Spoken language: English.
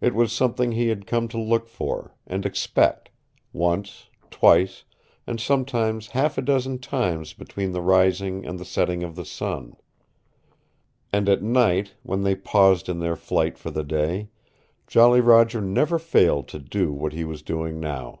It was something he had come to look for, and expect once, twice, and sometimes half a dozen times between the rising and the setting of the sun. And at night, when they paused in their flight for the day, Jolly Roger never failed to do what he was doing now.